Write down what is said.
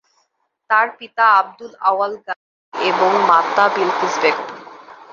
তার পিতা আবদুল আউয়াল গাজী এবং মাতা বিলকিস বেগম।